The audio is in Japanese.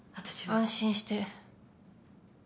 安心して。